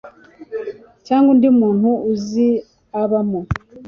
cg undi muntu uzi abamo